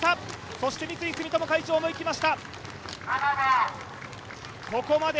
そして三井住友海上も行きました。